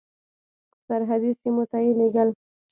سرحدي سیمو ته یې لېږل.